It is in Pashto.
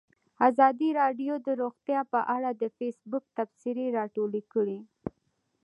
ازادي راډیو د روغتیا په اړه د فیسبوک تبصرې راټولې کړي.